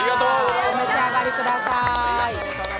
お召し上がりください。